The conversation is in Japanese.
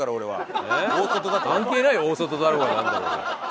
関係ないよ大外だろうがなんだろうが。